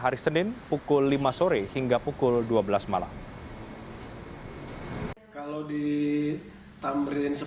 hari senin pukul lima sore hingga pukul dua belas malam